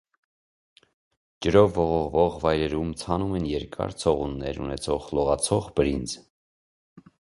Ջրով ողողվող վայրերում ցանում են երկար ցողուններ ունեցող լողացող բրինձ։